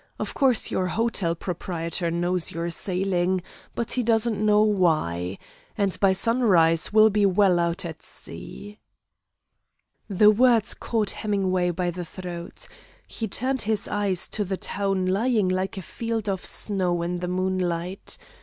"Of course your hotel proprietor knows you're sailing, but he doesn't know why. And, by sunrise, we'll be well out at sea." The words caught Hemingway by the throat. He turned his eyes to the town lying like a field of snow in the moonlight.